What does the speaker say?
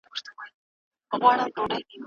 ساتونکی په ډېرې حیا سره له سیمې څخه په خاموشۍ لاړ.